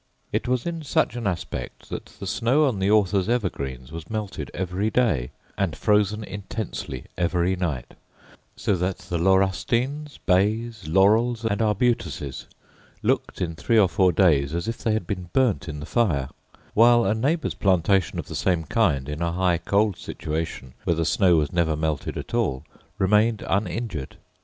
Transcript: It was in such an aspect that the snow on the author's evergreens was melted every day, and frozen intensely every night; so that the laurustines, bays, laurels, and arbutuses looked, in three or four days, as if they had been burnt in the fire; while a neighbour's plantation of the same kind, in a high cold situation, where the snow was never melted at all, remained uninjured.